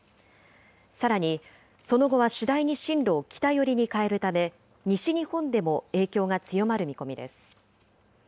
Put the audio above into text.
さらにその後は次第に進路を北寄りに変えるため、西日本でも影響が強まる見込みです。